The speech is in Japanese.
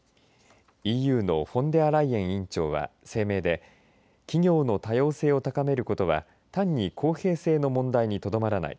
ＥＵのフォンデアライエン委員長は声明で企業の多様性を高めることは単に公平性の問題にとどまらない。